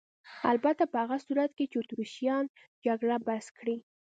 البته په هغه صورت کې چې اتریشیان جګړه بس کړي.